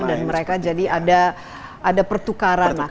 dan mereka jadi ada pertukaran